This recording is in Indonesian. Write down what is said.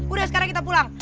udah sekarang kita pulang